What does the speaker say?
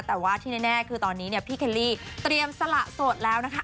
แต่ว่าที่แน่คือตอนนี้เนี่ยพี่เคลลี่เตรียมสละโสดแล้วนะคะ